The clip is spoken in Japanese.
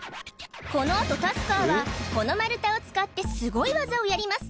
このあとタスカーはこの丸太を使ってすごい技をやります